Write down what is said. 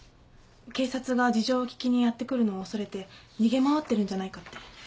警察が事情を聴きにやって来るのを恐れて逃げ回ってるんじゃないかって。